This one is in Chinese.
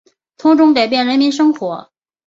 从中改变人们生活